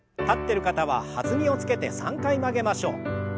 立ってる方は弾みをつけて３回曲げましょう。